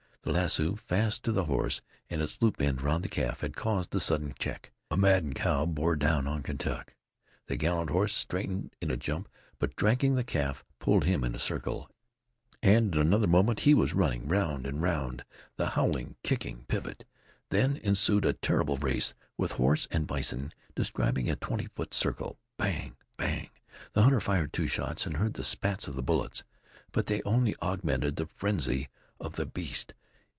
The lasso, fast to the horse, and its loop end round the calf, had caused the sudden check. A maddened cow bore down on Kentuck. The gallant horse straightened in a jump, but dragging the calf pulled him in a circle, and in another moment he was running round and round the howling, kicking pivot. Then ensued a terrible race, with horse and bison describing a twenty foot circle. Bang! Bang! The hunter fired two shots, and heard the spats of the bullets. But they only augmented the frenzy of the beast.